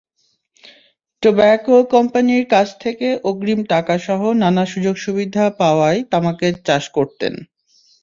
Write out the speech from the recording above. Tobacco কোম্পানির কাছ থেকে অগ্রিম টাকাসহ নানা সুযোগ-সুবিধা পাওয়ায় তামাকের চাষ করতেন।